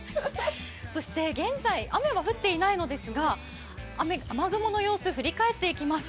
そして現在、雨は降っていないのですが雨雲の様子を振り返っていきます。